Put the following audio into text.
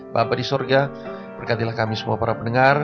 bapak di surga berkatilah kami semua para pendengar